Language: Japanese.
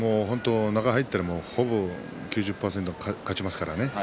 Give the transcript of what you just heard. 中に入ったら９０％勝ちますからね。